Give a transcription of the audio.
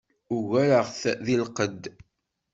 Ugareɣ-t deg lqedd.